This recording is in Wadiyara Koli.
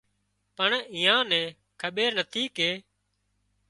پڻ ايئان نين کٻير نٿي ڪي